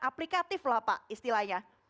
aplikatif lah pak istilahnya